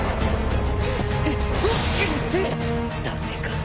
ダメか。